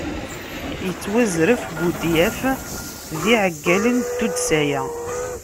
Yettwazref Budyaf d iɛeggalen n tuddsa-a.